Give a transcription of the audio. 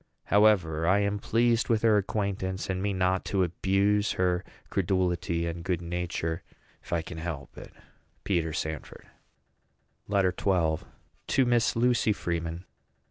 However, I am pleased with her acquaintance, and mean not to abuse her credulity and good nature, if I can help it. PETER SANFORD. LETTER XII. TO MISS LUCY FREEMAN.